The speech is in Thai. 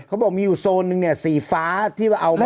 เขาบอกมีอยู่โซนนึงเนี่ยสีฟ้าที่ว่าเอามา